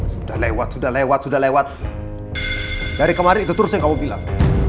sudah lewat sudah lewat sudah lewat dari kemarin itu terus yang kamu bilang